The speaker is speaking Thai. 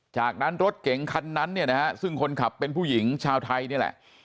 จากนั้นรถเก๋งคันนั้นเนี่ยนะฮะซึ่งคนขับเป็นผู้หญิงชาวไทยนี่แหละ